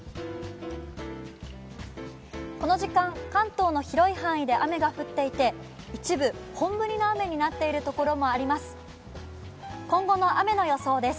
この時間、関東の広い範囲で雨が降っていて一部、本降りの雨になっているところもあります。